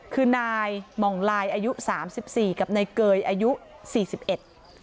คือนายหม่องลายอายุสามสิบสี่กับนายเกยอายุสี่สิบเอ็ด